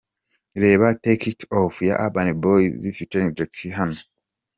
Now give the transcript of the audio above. Reba Take it off ya Urban Boys ft Jackie hano:.